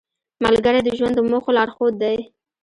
ملګری د ژوند د موخو لارښود دی